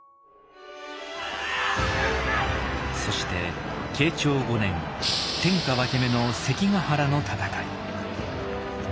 そして慶長５年天下分け目の関ヶ原の戦い。